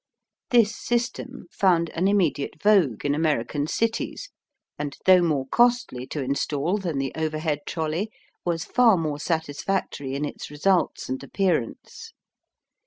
This system found an immediate vogue in American cities, and though more costly to install than the overhead trolley, was far more satisfactory in its results and appearance.